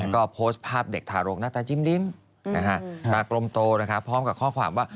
ก็โพสต์ภาพเด็กทารกหน้าตาจิ้มตากลมโตพร้อมกับข้อความว่า